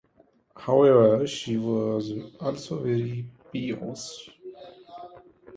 However she was also very pious.